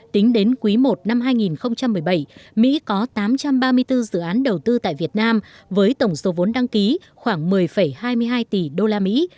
tính đến quý i năm hai nghìn một mươi bảy mỹ có tám trăm ba mươi bốn dự án đầu tư tại việt nam với tổng số vốn đăng ký khoảng một mươi hai mươi hai tỷ đô la mỹ